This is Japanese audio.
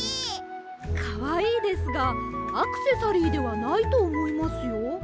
かわいいですがアクセサリーではないとおもいますよ。